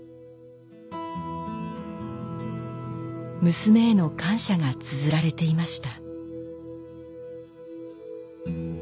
娘への感謝がつづられていました。